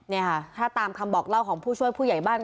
นี่ค่ะถ้าตามคำบอกเล่าของผู้ช่วยผู้ใหญ่บ้าน